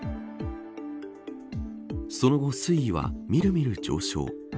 その後、水位はみるみる上昇。